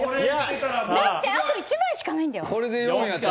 だってあと１枚しかないんだよ。